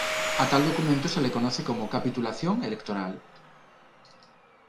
A tal documento se le conoce como "capitulación electoral".